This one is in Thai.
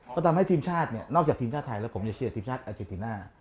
ก็ทำให้ทีมชาติเนี่ยนอกจากทีมชาติไทยแล้วผมจะเชียร์ทีมชาติอาเจติน่า